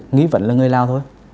nghĩ vẫn là người lao thôi